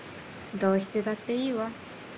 どうしてだっていいわ。